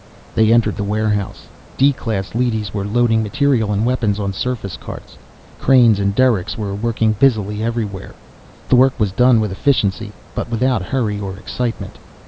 They entered the warehouse. D class leadys were loading material and weapons on surface carts. Cranes and derricks were working busily everywhere. The work was done with efficiency, but without hurry or excitement.